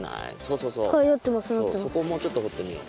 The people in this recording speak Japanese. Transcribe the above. そこをもうちょっとほってみよう。